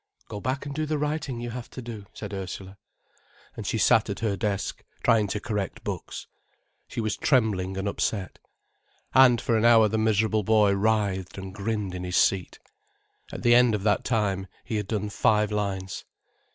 "Go back and do the writing you have to do," said Ursula. And she sat at her desk, trying to correct books. She was trembling and upset. And for an hour the miserable boy writhed and grinned in his seat. At the end of that time he had done five lines.